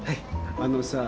あのさぁ。